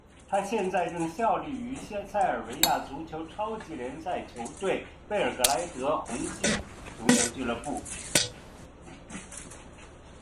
他现在效力于塞尔维亚足球超级联赛球队贝尔格莱德红星足球俱乐部。